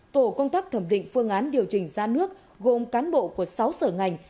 tổ công tác thẩm định phương án điều chỉnh giá nước gồm cán bộ của sáu sở ngành